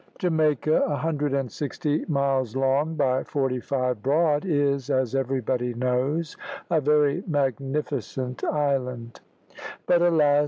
Jamaica, a hundred and sixty miles long, by forty five broad, is, as everybody knows, a very magnificent island; but, alas!